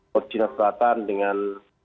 kekuatan china dengan